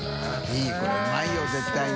いいこれうまいよ絶対に。